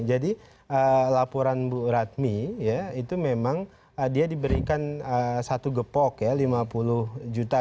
jadi laporan bu radmi ya itu memang dia diberikan satu gepok ya lima puluh juta